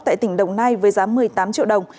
tại tỉnh đồng nai với giá một mươi tám triệu đồng